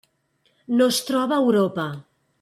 No es troba a Europa.